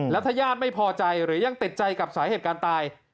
แล้วถ้าญาติไม่พอใจหรือยังติดใจกับสาเหตุการณ์ตาย